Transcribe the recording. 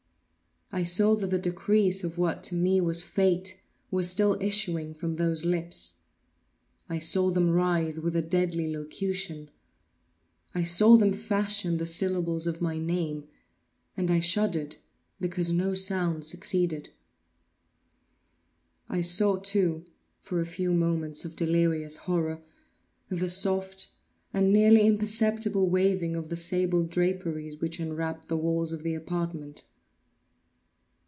I saw that the decrees of what to me was Fate, were still issuing from those lips. I saw them writhe with a deadly locution. I saw them fashion the syllables of my name; and I shuddered because no sound succeeded. I saw, too, for a few moments of delirious horror, the soft and nearly imperceptible waving of the sable draperies which enwrapped the walls of the apartment.